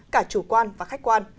cả chủ quan và khách quan